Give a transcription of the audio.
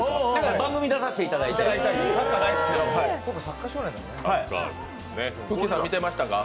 番組出させていただいたりして。